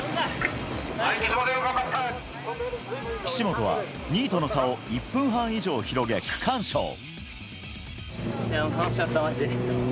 岸本は２位との差を１分半以上広げ、区間賞！